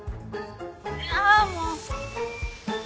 いやもう！